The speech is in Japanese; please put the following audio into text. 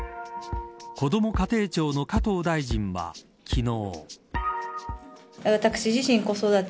こども家庭庁の加藤大臣は昨日。